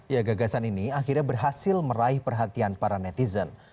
ya gagasan ini akhirnya berhasil meraih perhatian para netizen